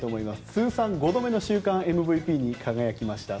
通算５度目の週間ＭＶＰに輝きました。